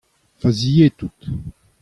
Faziet out.